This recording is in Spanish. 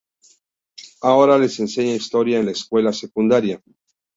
Ahora les enseña Historia en la escuela secundaria.